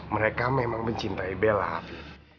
mereka memang mencintai bella